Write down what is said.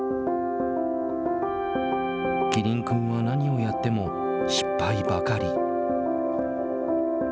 キリン君は何をやっても失敗ばかり。